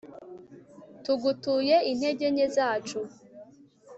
tugutuye integer nke zacu